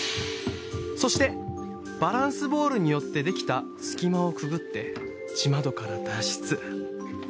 そしてバランスボールによってできた隙間をくぐって地窓から脱出。